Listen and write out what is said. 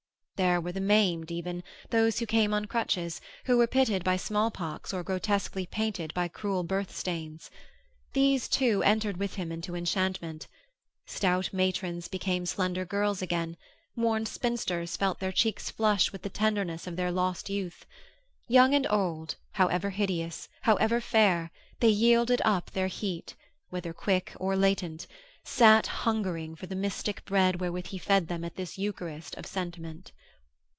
There were the maimed, even; those who came on crutches, who were pitted by smallpox or grotesquely painted by cruel birth stains. These, too, entered with him into enchantment. Stout matrons became slender girls again; worn spinsters felt their cheeks flush with the tenderness of their lost youth. Young and old, however hideous, however fair, they yielded up their heat whether quick or latent sat hungering for the mystic bread wherewith he fed them at this eucharist of sentiment.